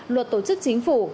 luật tổ chức chính phủ